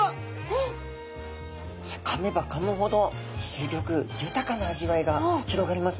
かめばかむほどすギョく豊かな味わいが広がりますね。